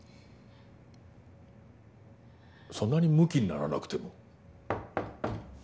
そんなにムキにならなくても。